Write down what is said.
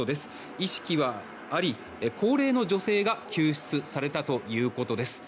意識はあり、高齢の女性が救出されたということです。